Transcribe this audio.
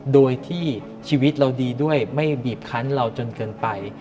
โดยที่ชีวิตเราดีด้วยไม่บีบคันเราจนเกินไป